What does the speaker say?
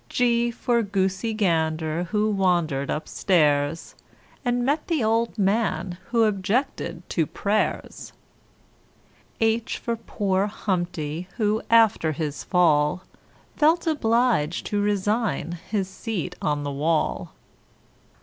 G for Goosey Gander who wandered upstairs, And met the old man who objected to prayers. [Illustration: HIJ] H for poor Humpty who after his fall, Felt obliged to resign his seat on the wall.